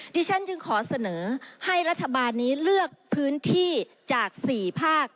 ดิฉันจึงขอเสนอให้รัฐบาลนี้เลือกพื้นที่จาก๔ภาค